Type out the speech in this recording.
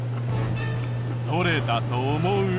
どれだと思う？